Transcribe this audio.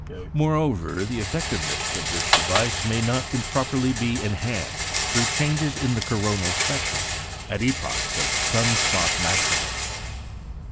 Moreover, the effectiveness of this device may not improbably be enhanced, through changes in the coronal spectrum at epochs of sun spot maximum.